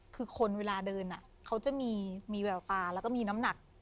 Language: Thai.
คือคนเวลาเดินเขาจะมีแววตาแล้วก็มีน้ำหนัก